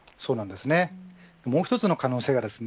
もう１つの可能性がです